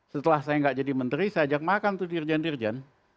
setelah saya gak jadi menteri saya ajak makan tuh dirjen dirjen